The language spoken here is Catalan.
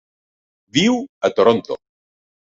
Viu a Toronto.